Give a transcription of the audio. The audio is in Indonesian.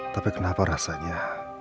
tapi kenapa rasanya